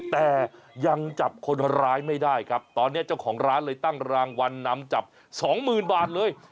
แต่ยังจับคนร้ายไม่ได้ครับตอนนี้เจ้าของร้านเลยตั้งรางวัลนำจับสองหมื่นบาทเลย